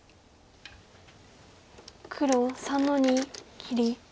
黒３の二切り。